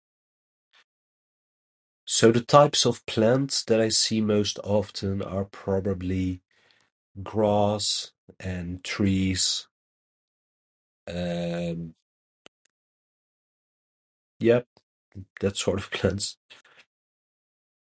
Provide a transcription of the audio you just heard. So, the types of plants that I see most often are probably grass and trees. Um... yep, that sort of plants.